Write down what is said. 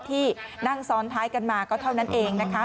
ที่นั่งซ้อนท้ายกันมาก็เท่านั้นเองนะคะ